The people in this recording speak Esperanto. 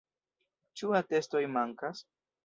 Ĉu atestoj mankas?